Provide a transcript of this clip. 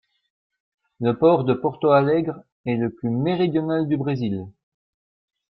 Le port de Porto Alegre est le plus méridional du Brésil.